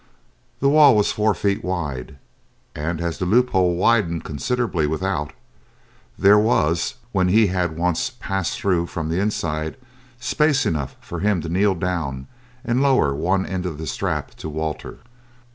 The wall was four feet wide, and as the loophole widened considerably without, there was, when he had once passed through from the inside, space enough for him to kneel down and lower one end of the strap to Walter.